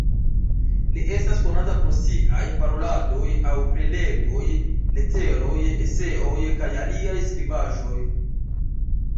Li estas konata pro siaj Paroladoj aŭ Prelegoj, leteroj, eseoj kaj aliaj skribaĵoj.